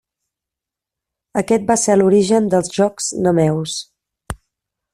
Aquest va ser l'origen dels Jocs Nemeus.